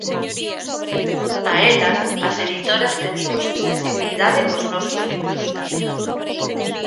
A elas, as editoras pedimos sensibilidade cos nosos libros.